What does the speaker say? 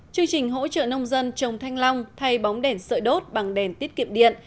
chương trình hỗ trợ nông dân trồng thanh long thay bóng đèn sợi đốt bằng đèn tiết kiệm điện